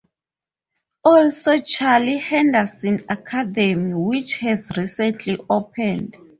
Also Charlie Henderson Academy, which has recently opened.